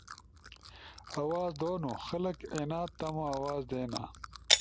آواز دونو، خلگ اینا تم آواز دینا۔